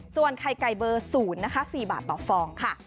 ส่วนไข่ไก่เบอร์๐นะคะ๔บาทต่อฟองค่ะ